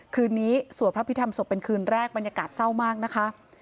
คืนนี้สวดพระพิธรรมศพเป็นคืนแรกบรรยากาศเศร้ามากนะคะ